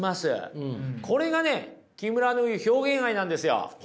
これがね木村の言う表現愛なんですよ。